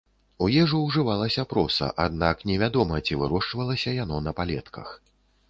У ежу ўжывалася проса, аднак не вядома, ці вырошчвалася яно на палетках.